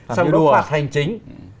xong đó phạt hành chính